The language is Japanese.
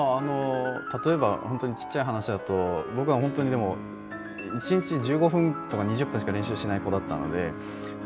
例えば本当に小さい話だと僕は１日１５分とか２０分しか練習しない子だったので。